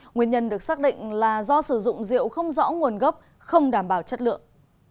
nguyên nhân được xác định là do sử dụng rượu không rõ nguồn gốc không đảm bảo chất lượng